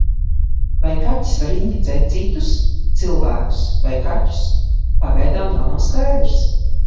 Vai kaķis var inficēt citus - cilvēkus vai kaķus, pagaidām vēl nav skaidrs.